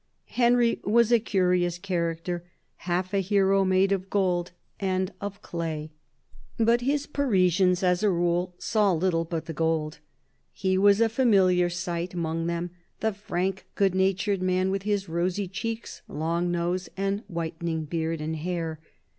Henry was a curious character, half a hero, made of gold and of 28 CARDINAL DE RICHELIEU clay ; but his Parisians, as a rule, saw little but the gold. He was a familiar sight among them, the frank, good natured man, with his rosy cheeks, long nose, and whiten ing beard and hair.